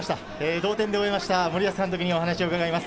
同点で終えました、森保監督にお話を伺います。